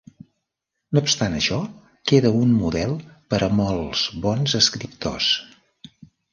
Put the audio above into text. No obstant això, queda un model per a molts bons escriptors.